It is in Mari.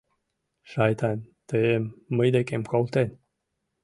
— Шайтан тыйым мый декем колтен!..